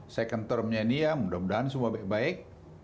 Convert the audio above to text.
second termnya ini ya mudah mudahan semua baik baik